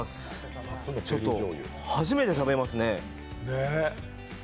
初めて食べますね。